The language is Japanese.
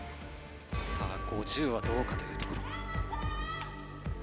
さあ、５０はどうかというところ。